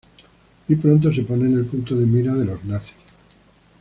Muy pronto se pone en el punto de mira de los nazis.